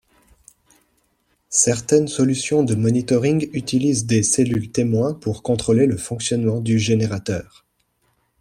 Certaines solutions de monitoring utilisent des cellules témoins pour contrôler le fonctionnement du générateur.